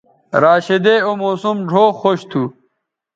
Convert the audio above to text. راشدے او موسم ڙھؤ خوش تھو